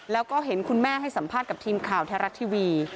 แล้วก็เห็นคุณแม่ให้สัมภาษณ์กับทีมข่าวแท้รัฐทีวี